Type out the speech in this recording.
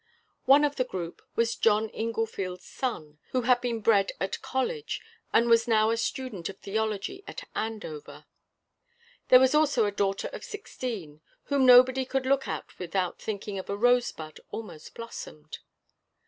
One of the group was John Inglefield's son, who had been bred at college, and was now a student of theology at Andover. There was also a daughter of sixteen, whom nobody could look at without thinking of a rosebud almost blossomed.